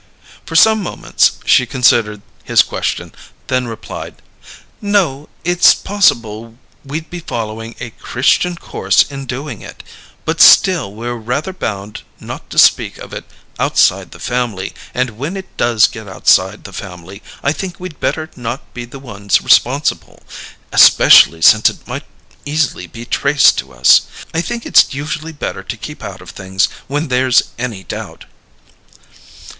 For some moments she considered his question, then replied, "No. It's possible we'd be following a Christian course in doing it; but still we're rather bound not to speak of it outside the family, and when it does get outside the family I think we'd better not be the ones responsible especially since it might easily be traced to us. I think it's usually better to keep out of things when there's any doubt."